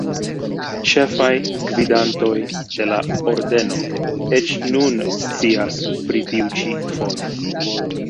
Ĉefaj gvidantoj de la Ordeno eĉ nun scias pri tiu ĉi fono.